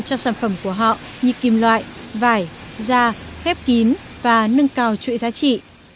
cho sản phẩm của họ như kim loại vải da khép kín và nâng cao chuỗi giá trị